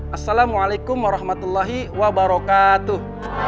assalamualaikum warahmatullahi wabarakatuh